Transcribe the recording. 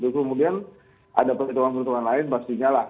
kemudian ada perhitungan perhitungan lain pastinya lah